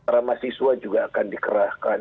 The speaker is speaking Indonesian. ramah siswa juga akan dikerahkan